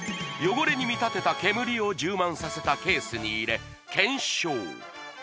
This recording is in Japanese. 汚れに見立てた煙を充満させたケースに入れ検証